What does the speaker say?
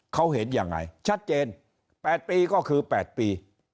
เขาเห็นยังไงชัดเจน๘ปีก็คือ๘ปี